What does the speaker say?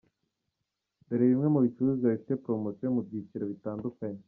Dore bimwe mu bicuruzwa bifite promotion mu byiciro bitandukanye.